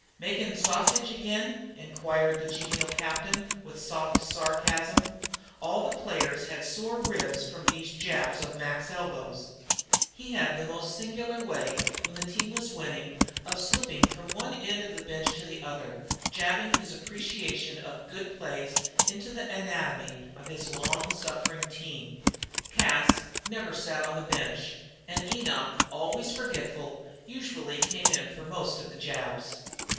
"Makin' sausage agin?" inquired the genial captain, with soft sarcasm. All the players had sore ribs from these jabs of Mac's elbows. He had the most singular way, when the team was winning, of slipping from one end of the bench to the other, jabbing his appreciation of good plays into the anatomy of his long suffering team. Cas never sat on the bench and Enoch, always forgetful, usually came in for most of the jabs.